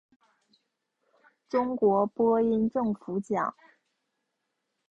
中国播音政府奖。